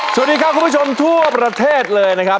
สวัสดีครับคุณผู้ชมทั่วประเทศเลยนะครับ